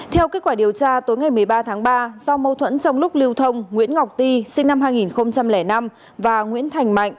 theo kết quả điều tra tối ngày một mươi ba tháng ba do mâu thuẫn trong lúc lưu thông nguyễn ngọc ti sinh năm hai nghìn năm và nguyễn thành mạnh